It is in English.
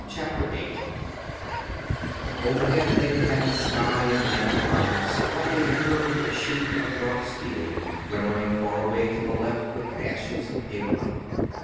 CHAPTER VIII Overhead lay the heavy sky of night clouds like a curved sheet of dark steel, glimmering far away to the left with gashes of pale light.